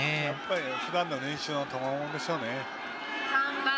ふだんの練習のたまものでしょうね。